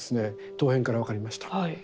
陶片から分かりました。